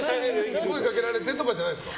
声をかけられてとかじゃないんですか？